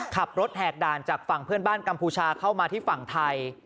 แหกด่านจากฝั่งเพื่อนบ้านกัมพูชาเข้ามาที่ฝั่งไทย